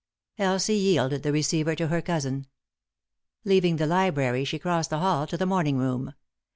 Elsie yielded the receiver to her cousin. Leaving the library she crossed the hall to the morning room.